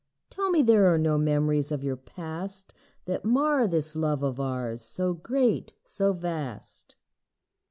Tell me there are no memories of your past That mar this love of ours, so great, so vast.